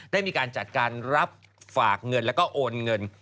ได้มีการจัดการรับฝากเงินแล้วก็โอนเงิน